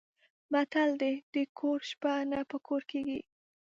متل دی: د ګور شپه نه په کور کېږي.